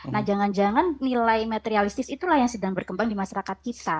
nah jangan jangan nilai materialistis itulah yang sedang berkembang di masyarakat kita